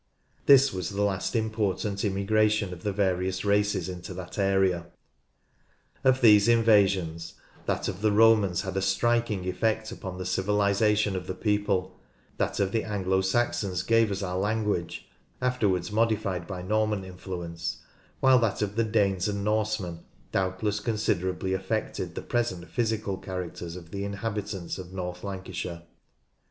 This was the last important immigration of the various races into that area. Of these invasions that of the Romans had a striking effect upon the civilisation of the people ; that of the Anglo Saxons gave us our language (afterwards modified by Norman influence); while that of the Danes and Norsemen doubt less considerably affected the present physical characters of the inhabitants of North Lancashire.